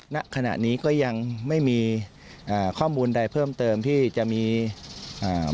ณขณะนี้ก็ยังไม่มีอ่าข้อมูลใดเพิ่มเติมที่จะมีอ่า